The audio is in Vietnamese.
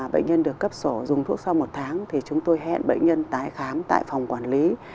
bệnh nhân được cấp sổ dùng thuốc sau một tháng thì chúng tôi hẹn bệnh nhân tái khám tại phòng quản lý